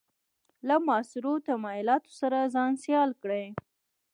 له معاصرو تمایلاتو سره ځان سیال کړي.